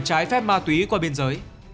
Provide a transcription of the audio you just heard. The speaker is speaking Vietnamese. trái phép ma túy qua biên giới